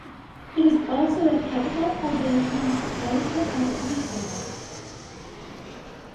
It is also the capital of the municipality of Gytheio.